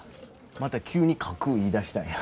また急に書く言いだしたんや。